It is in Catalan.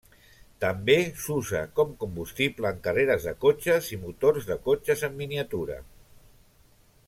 També s'usa com combustible en carreres de cotxes i motors de cotxes en miniatura.